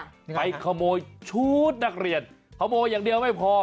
ไปขโมยชุดนักเรียนขโมยอย่างเดียวไม่พอ